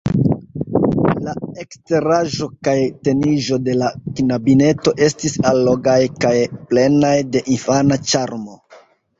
La eksteraĵo kaj teniĝo de la knabineto estis allogaj kaj plenaj de infana ĉarmo.